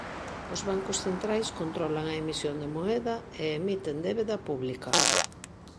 Os bancos centrais controlan a emisión de moeda e emiten débeda pública.